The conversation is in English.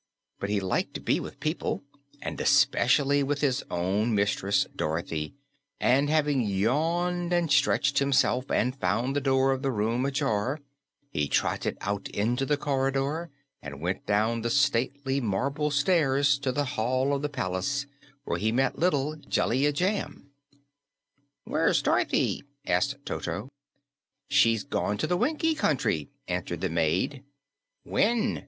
But he liked to be with people, and especially with his own mistress, Dorothy, and having yawned and stretched himself and found the door of the room ajar, he trotted out into the corridor and went down the stately marble stairs to the hall of the palace, where he met Jellia Jamb. "Where's Dorothy?" asked Toto. "She's gone to the Winkie Country," answered the maid. "When?"